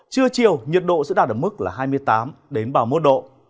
trưa chiều nhiệt độ sẽ đạt được mức hai mươi tám ba mươi một độ